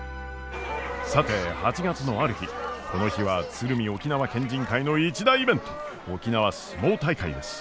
さて８月のある日この日は鶴見沖縄県人会の一大イベント沖縄角力大会です。